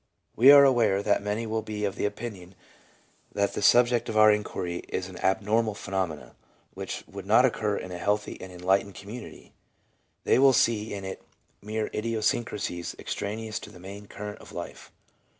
We are aware that many will be of the opinion that the subject of our inquiry is an abnormal phenomenon, which would not occur in a healthy and enlightened community ; they will see in it mere idiosyncrasies extraneous to the main current of life.